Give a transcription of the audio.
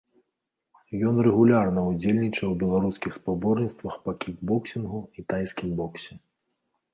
Ён рэгулярна ўдзельнічае ў беларускіх спаборніцтвах па кікбоксінгу і тайскім боксе.